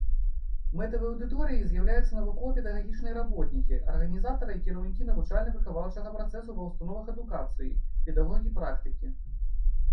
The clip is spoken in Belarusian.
Мэтавай аўдыторыяй з'яўляюцца навукова-педагагічныя работнікі, арганізатары і кіраўнікі навучальна-выхаваўчага працэсу ва ўстановах адукацыі, педагогі-практыкі.